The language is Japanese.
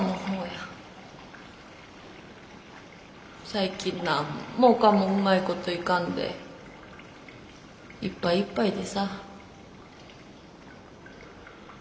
最近何もかもうまいこといかんでいっぱいいっぱいでさ。